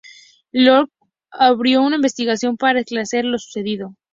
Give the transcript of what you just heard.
Lord Cullen, abrió una investigación para esclarecer lo sucedido.